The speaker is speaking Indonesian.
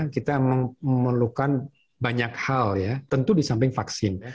kita memerlukan banyak hal ya tentu di samping vaksin